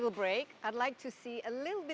saya ingin melihat sedikit lagi